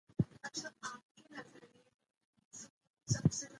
آس په ډېرې هوښیارۍ سره عمل وکړ.